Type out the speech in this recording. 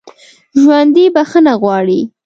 ژوندي بخښنه غواړي